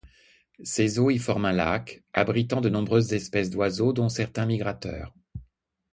Ses eaux y forment un lac, abritant de nombreuses espèces d’oiseaux, dont certains migrateurs.